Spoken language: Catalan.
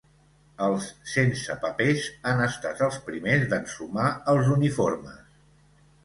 Els sense papers han estat els primers d'ensumar els uniformes.